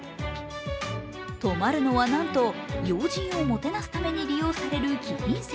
泊まるのは、なんと要人をもてなすために利用される貴賓席。